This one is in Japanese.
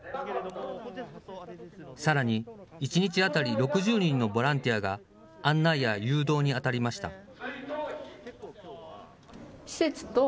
さらに１日当たり６０人のボランティアが、案内や誘導に当たりました。